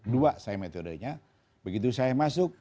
dua saya metodenya begitu saya masuk